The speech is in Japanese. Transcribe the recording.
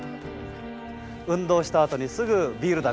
運動したあとにすぐビールだ！